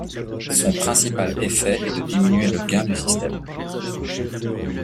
Son principal effet est de diminuer le gain du système.